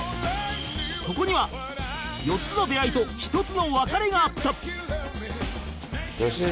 そこには４つの出会いと１つの別れがあった